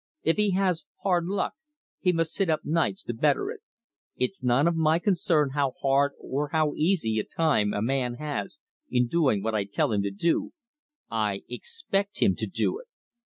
If he has hard luck, he must sit up nights to better it. It's none of my concern how hard or how easy a time a man has in doing what I tell him to. I EXPECT HIM TO DO IT.